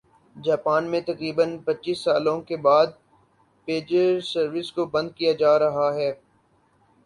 Japan میں تقریبا ًپچيس سالوں کے بعد پیجر سروس کو بند کیا جا رہا ہے